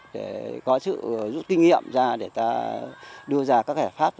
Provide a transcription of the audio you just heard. để có sự giúp kinh nghiệm ra để ta đưa ra các giải pháp